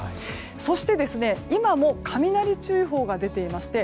そして、今も雷注意報が出ていまして